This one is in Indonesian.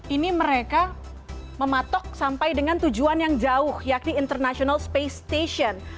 ini mereka mematok sampai dengan tujuan yang jauh yakni international space station